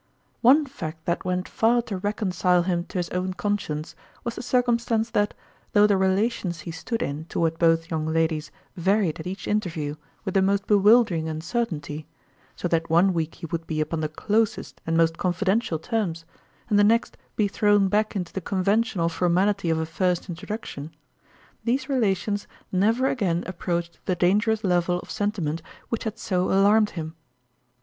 One fact that went far to reconcile him to his own conscience was the circumstance that, though the relations he stood in toward both young ladies varied at each interview with the most bewildering uncertainty, so that one week he would be upon the closest and most confi dential terms, and the next be thrown back into the conventional formality of a first in troduction these relations never again ap proached the dangerous level of sentiment which had so alarmed him.